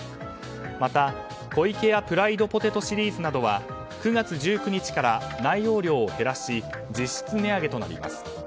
また、ＫＯＩＫＥＹＡＰＲＩＤＥシリーズなどは９月１９日から内容量を減らし実質値上げとなります。